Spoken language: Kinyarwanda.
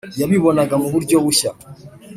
. Yabibonaga mu buryo bushya.